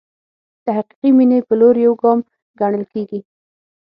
د حقیقي مینې په لور یو ګام ګڼل کېږي.